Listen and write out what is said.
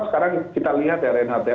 sekarang kita lihat ya reinhard ya